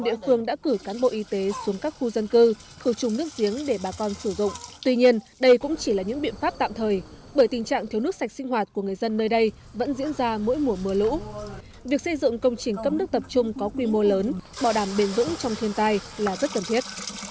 việc xây dựng công trình cấp nước tập trung có quy mô lớn bảo đảm bền dũng trong thiên tai là rất cần thiết